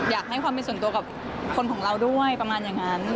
อยากให้ความมีส่วนตัวกับคนของเราด้วย